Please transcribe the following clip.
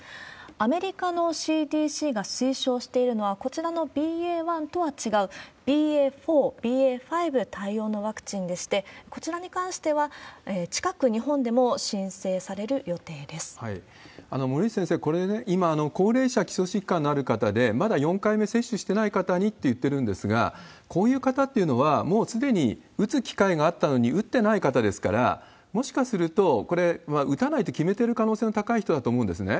アメリカのＣＤＣが推奨しているのは、こちらのＢＡ．１とは違う、ＢＡ．４、ＢＡ．５対応のワクチンでして、こちらに関しては、森内先生、これね、今、高齢者、基礎疾患のある方で、まだ４回目接種していない方にって言ってるんですが、こういう方っていうのは、もうすでに打つ機会があったのに打ってない方ですから、もしかすると、これは打たないと決めてる可能性の高い人だと思うんですね。